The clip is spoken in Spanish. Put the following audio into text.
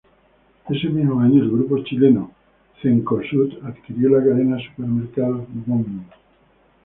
Ese mismo año el grupo chileno Cencosud adquirió la cadena de supermercados Wong.